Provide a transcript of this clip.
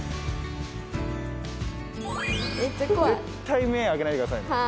めっちゃ怖い絶対目開けないでくださいね